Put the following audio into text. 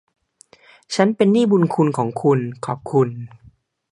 ฉันเป็นหนี้บุณคุณของคุณ ขอบคุณ